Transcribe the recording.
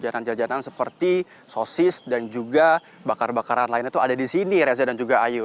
jajanan jajanan seperti sosis dan juga bakar bakaran lainnya itu ada di sini reza dan juga ayu